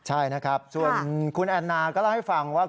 ใช่นะครับส่วนคุณแอนนาก็เล่าให้ฟังว่า